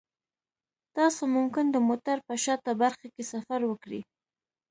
تاسو ممکن د موټر په شاته برخه کې سفر وکړئ